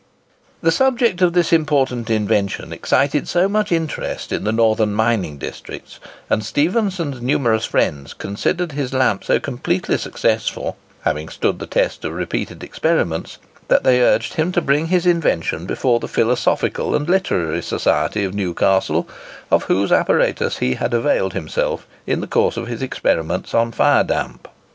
The subject of this important invention excited so much interest in the northern mining districts, and Stephenson's numerous friends considered his lamp so completely successful—having stood the test of repeated experiments—that they urged him to bring his invention before the Philosophical and Literary Society of Newcastle, of whose apparatus he had availed himself in the course of his experiments on fire damp.